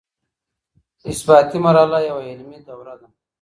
اثباتي مرحله يوه علمي دوره ده.